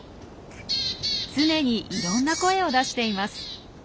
常にいろんな声を出しています。